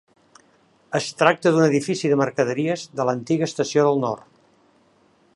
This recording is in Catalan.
Es tracta d'un edifici de mercaderies de l'antiga estació del Nord.